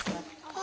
あ。